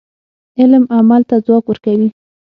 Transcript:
علم عمل ته ځواک ورکوي.